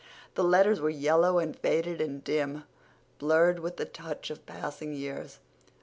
The letters were yellow and faded and dim, blurred with the touch of passing years.